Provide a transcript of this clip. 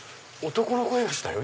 男の声がしたよ